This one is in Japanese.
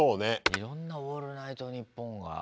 いろんな「オールナイトニッポン」が。